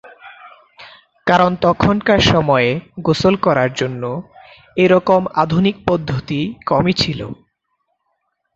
কারণ তখনকার সময়ে গোসল করার জন্য এইরকম আধুনিক পদ্ধতি কমই ছিল।